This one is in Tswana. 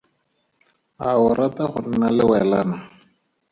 A o rata go nna lewelana?